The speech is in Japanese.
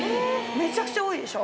めちゃくちゃ多いでしょ。